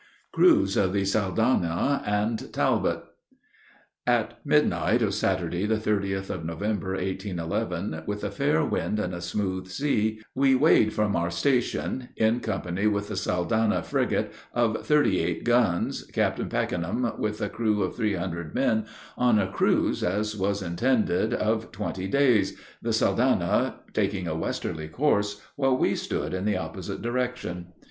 CRUISE OF THE SALDANHA AND TALBOT. At midnight of Saturday, the 30th of November, 1811, with a fair wind and a smooth sea, we weighed from our station, in company with the Saldanha frigate, of thirty eight guns, Captain Packenham, with a crew of three hundred men, on a cruise, as was intended, of twenty days the Saldanha taking a westerly course, while we stood in the opposite direction.